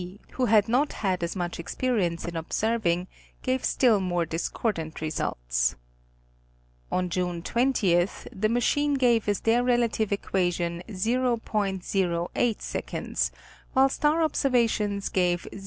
who had not had as much experience in observing, gave still more discordant results. On June 20, the machine gave as their relative equation, 0°.08, while star observations gave 0°.